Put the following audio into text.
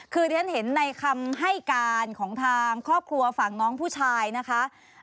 คือเรียนเห็นในคำให้การของทางครอบครัวฝั่งน้องผู้ชายนะคะ